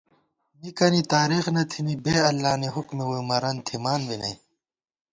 مِکَنی تارېخ نہ تھنی بے اللہ نی حُکُمےووئی مرَن تھِمان بی نئ